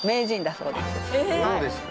そうですか。